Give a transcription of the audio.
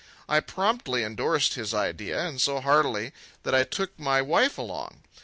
I promptly indorsed his idea, and so heartily that I took my wife along.